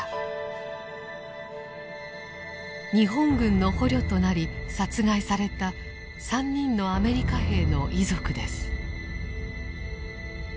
日本軍の捕虜となり殺害された３人のアメリカ兵の遺族です。